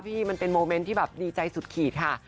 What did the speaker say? พี่มันเป็นโมเม้นท์ที่ดีใจสุดขีดค่ะ